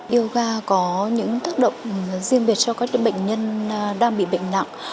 yoga có những tác động riêng về cho các bệnh nhân đang bị bệnh nặng